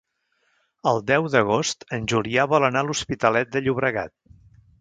El deu d'agost en Julià vol anar a l'Hospitalet de Llobregat.